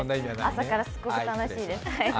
朝からすごく悲しいです。